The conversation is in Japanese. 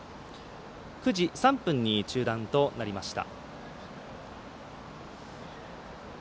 ９時３分に中断となりました。